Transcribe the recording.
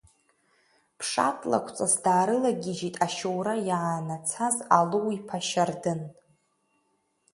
Ԥшатлакәҵас даарылагьежьит ашьоура иаанацаз Алоу-иԥа Шьардын.